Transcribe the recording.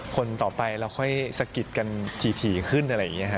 คนต่อไปเราค่อยสะกิดกันถี่ขึ้นอะไรอย่างนี้ฮะ